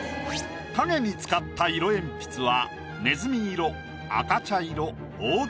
影に使った色鉛筆はねずみ色赤茶色黄土